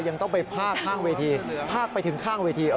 ยังต้องไปพากข้างเวทีพากไปถึงข้างเวที